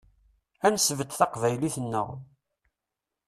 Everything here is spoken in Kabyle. Ad nesbedd taqbaylit-nneɣ.